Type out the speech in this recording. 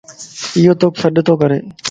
ايو توک سڏتو ڪري